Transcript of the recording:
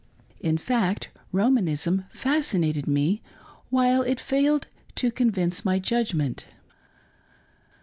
In fact, Romanism fascinated me, while it failed to convince my judgment.